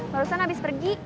barusan abis pergi